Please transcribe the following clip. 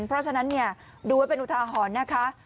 เพราะฉะนั้นดูไว้เป็นอุทาหรณ์นะคะ